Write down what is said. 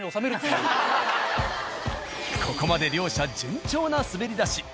ここまで両者順調な滑り出し。